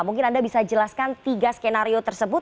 mungkin anda bisa jelaskan tiga skenario tersebut